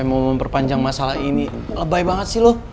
mau memperpanjang masalah ini lebay banget sih lo